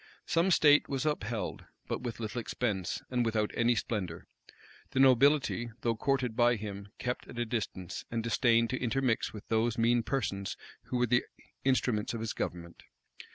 Some state was upheld; but with little expense, and without any splendor. The nobility, though courted by him, kept at a distance, and disdained to intermix with those mean persons who were the instruments of his government.